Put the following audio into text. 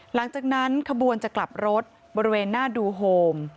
หลังจากนั้นขบวนจะกลับรถบริเวณหน้าดูโฮม